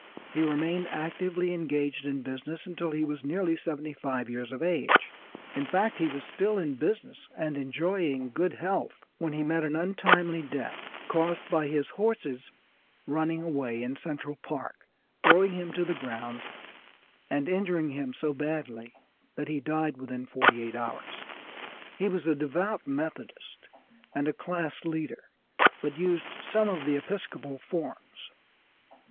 He remained actively engaged in business until he was nearly seventy five years of age, in fact he was still in business and enjoying good health when he met an untimely death, caused by his horses running away in Central Park, throwing him to the ground and injuring him so badly that he died within forty eight hours. He was a devout Methodist, and a class leader, but used some of the Episcopal forms.